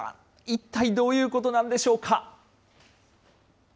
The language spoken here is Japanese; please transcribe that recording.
一体どういうことなんでしょうか。